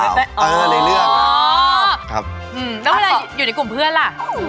แล้วเวลาอยู่ในกลุ่มเพื่อนล่ะ